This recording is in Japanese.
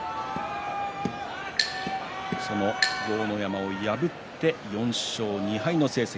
その豪ノ山を破って４勝２敗の成績。